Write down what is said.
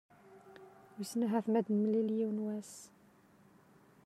Wissen ahat m'ad d-nemlil yiwen wass?